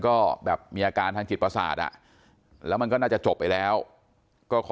ก็แบบมีอาการทางจิตประสาทอ่ะแล้วมันก็น่าจะจบไปแล้วก็ขอ